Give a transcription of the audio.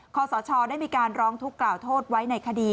ขอสชได้มีการร้องทุกข์กล่าวโทษไว้ในคดี